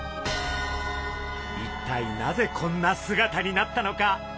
一体なぜこんな姿になったのか？